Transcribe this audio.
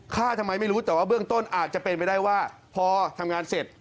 ทำไมไม่รู้แต่ว่าเบื้องต้นอาจจะเป็นไปได้ว่าพอทำงานเสร็จ